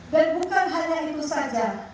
dan bukan hanya itu saja